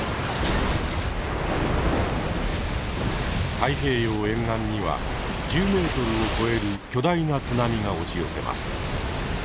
太平洋沿岸には１０メートルを超える巨大な津波が押し寄せます。